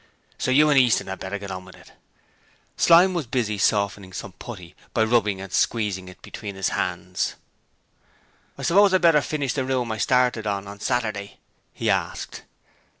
So you and Easton 'ad better get on with it.' Slyme was busy softening some putty by rubbing and squeezing it between his hands. 'I suppose I'd better finish the room I started on on Saturday?' he asked.